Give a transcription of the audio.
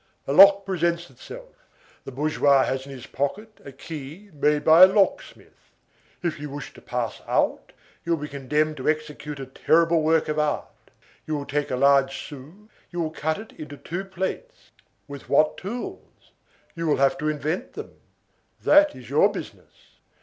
A lock presents itself; the bourgeois has in his pocket a key made by a locksmith. If you wish to pass out, you will be condemned to execute a terrible work of art; you will take a large sou, you will cut it in two plates; with what tools? You will have to invent them. That is your business.